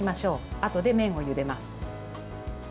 あとで麺をゆでます。